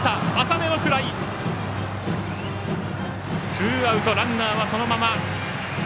ツーアウト、ランナーはそのまま。